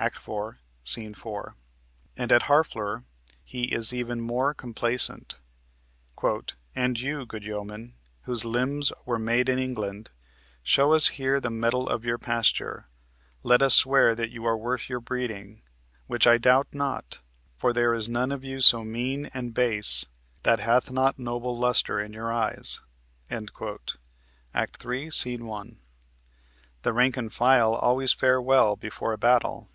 (Act 4, Sc. 4.) And at Harfleur he is even more complaisant: "And you, good yeomen, Whose limbs were made in England, shew us here The metal of your pasture; let us swear That you are worth your breeding; which I doubt not, For there is none of you so mean and base That hath not noble luster in your eyes." (Act 3, Sc. 1.) The rank and file always fare well before a battle.